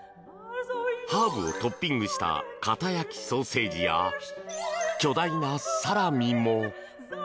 ハーブをトッピングした型焼きソーセージや巨大なサラミも。